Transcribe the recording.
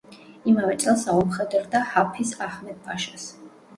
იმავე წელს აუმხედრდა ჰაფიზ აჰმედ-ფაშას.